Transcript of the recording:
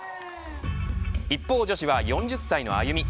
一方女子は４０歳のＡＹＵＭＩ。